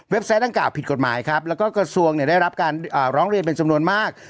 เว็บไซต์ดังกล่าวผิดกฎหมายและกระทรวงได้รับการร้องเรียนเป็นสำนวนมาก